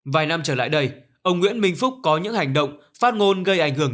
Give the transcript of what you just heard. vài năm trở lại đây ông nguyễn minh phúc có những hành động phát ngôn gây ảnh hưởng